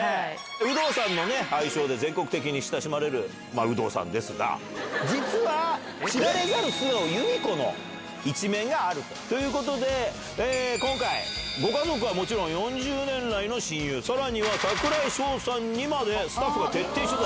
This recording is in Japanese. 有働さんのね、愛称で全国的に親しまれる有働さんですが、実は、知られざる素顔、由美子の一面があるということで、今回、ご家族はもちろん、４０年来の親友、さらには櫻井翔さんにまでスタッフが徹底取材。